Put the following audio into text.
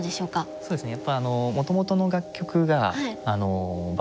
そうですねええ！